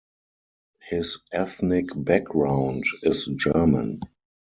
His ethnic background is German.